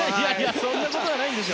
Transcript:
そんなことはないですよ。